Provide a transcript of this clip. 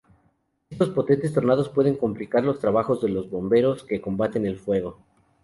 Estos potentes tornados pueden complicar los trabajos de los bomberos que combaten el fuego.